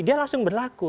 dia langsung berlaku